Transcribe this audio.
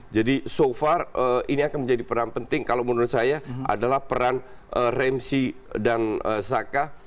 jadi so far ini akan menjadi peran penting kalau menurut saya adalah peran ramsey dan zaka